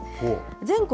全国